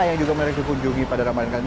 yang juga mereka kunjungi pada ramadhan kali ini